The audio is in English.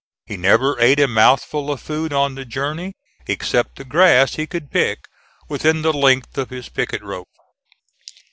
He never ate a mouthful of food on the journey except the grass he could pick within the length of his picket rope.